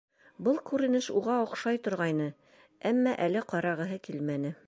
Был күренеш уға оҡшай торғайны, әммә әле ҡарағыһы килмәне.